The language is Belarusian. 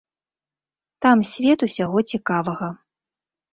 Там свет усяго цікавага.